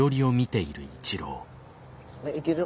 いける？